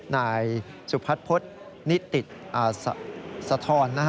นายสุภัทพฤษนิติศธรรณ